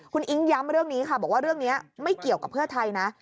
คุณอิ๊งย้ำเรื่องนี้ค่ะบอกว่าเรื่องนี้ไม่เกี่ยวกับเพื่อไทยนะ